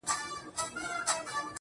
ورته شعرونه وايم.